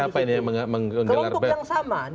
siapa ini yang menggelar belok kiri festival